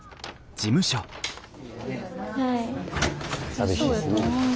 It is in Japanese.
寂しいですね。